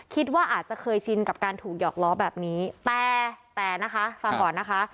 คิดว่าอาจจะเคยชินกับการถูกหยอกล้อแบบนี้แต่แต่นะคะฟังก่อนนะคะ